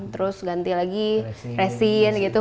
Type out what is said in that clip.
terus ganti lagi resin gitu